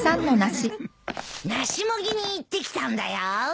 梨もぎに行ってきたんだよ。